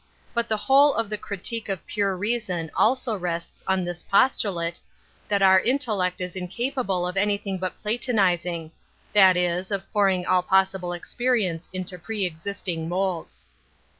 But the whole of the Critique of Pure Reason also rests on this postulate, that our intellect is incapable of anything but Platonizing — ^that is, of pouring all pos sible experience into pre existing moulds.